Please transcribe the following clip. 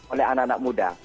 oleh anak anak muda